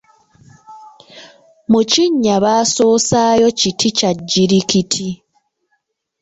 Mu kinnya basoosaayo kiti kya jjirikiti.